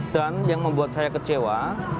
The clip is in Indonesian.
dan yang membuat saya kecewa